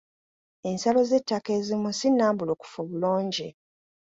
Ensalo z'ettaka ezimu si nnambulukufu bulungi.